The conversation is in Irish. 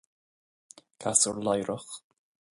casúr ladhrach